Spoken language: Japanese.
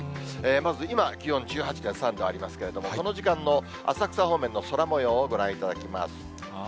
まず、今気温１８．３度ありますけれども、この時間の浅草方面の空もようをご覧いただきます。